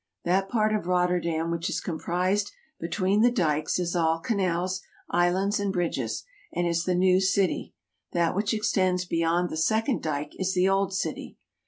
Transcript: That part of Rotterdam which is comprised between the dykes is all canals, islands, and bridges, and is the new city ; that which extends beyond the second dyke is the old city.